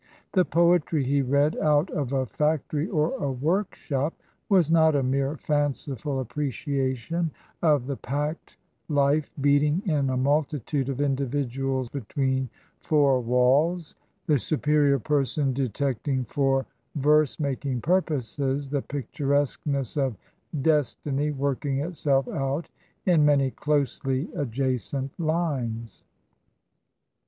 The poetry he read out of a factory or a workshop was not a mere fanciful appreciation of the packed life beating in a multitude of individuals between four walls — ^the superior person de tecting for verse making purposes the picturesqueness of destiny working itself out in many closely adjacent lines.